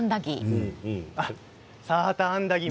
サーターアンダギー。